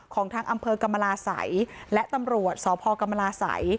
ของทางอำเภอกรรมลาศัยและตำรวชศภไรตรวจกรรมลาศัย